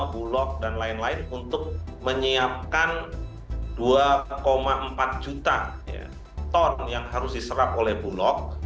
bulog dan lain lain untuk menyiapkan dua empat juta ton yang harus diserap oleh bulog